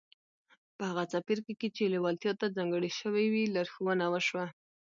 په هغه څپرکي کې چې لېوالتیا ته ځانګړی شوی و لارښوونه وشوه.